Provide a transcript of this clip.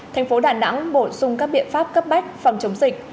thành phố đà nẵng bổ sung các biện pháp cấp bách phòng chống dịch